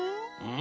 ん？